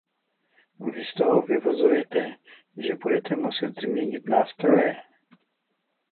Vy z toho vyvozujete, že budeme muset změnit nástroje.